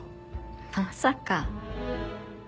まさか。